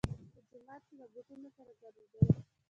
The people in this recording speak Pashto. په جومات کې له بوټونو سره ګرځېدلو.